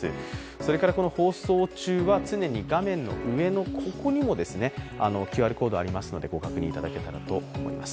それから放送中は画面の上にもＱＲコードありますので、ご確認いただけたらと思います。